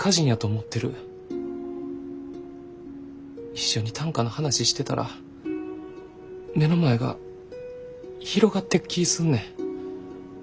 一緒に短歌の話してたら目の前が広がってく気ぃすんねん。